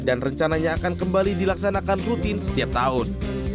dan rencananya akan kembali dilaksanakan rutin setiap tahun